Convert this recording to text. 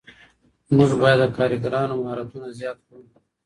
موږ باید د کارګرانو مهارتونه زیات کړو.